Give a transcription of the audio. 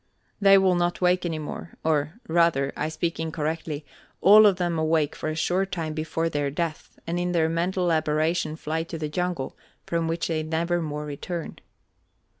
"They will not wake any more, or rather I speak incorrectly all of them awake for a short time before their death and in their mental aberration fly to the jungle, from which they never more return.